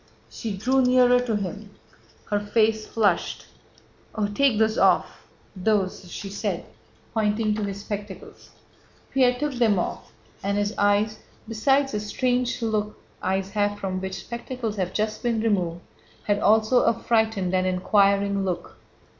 She drew nearer to him. Her face flushed. "Oh, take those off... those..." she said, pointing to his spectacles. Pierre took them off, and his eyes, besides the strange look eyes have from which spectacles have just been removed, had also a frightened and inquiring look.